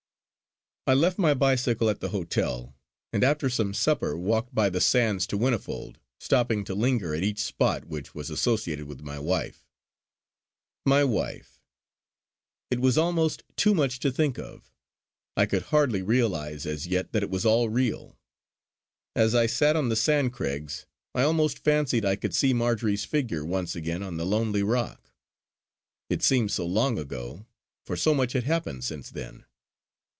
I left my bicycle at the hotel, and after some supper walked by the sands to Whinnyfold, stopping to linger at each spot which was associated with my wife. My wife! it was almost too much to think of; I could hardly realise as yet that it was all real. As I sat on the Sand Craigs I almost fancied I could see Marjory's figure once again on the lonely rock. It seemed so long ago, for so much had happened since then.